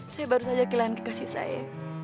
saya baru saja kehilangan kekasih saya